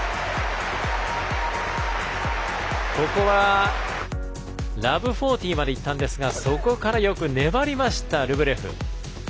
ここは０−４０まで行ったんですがそこからよく粘りましたルブレフ。